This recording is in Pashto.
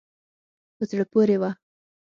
په زړه پورې وه.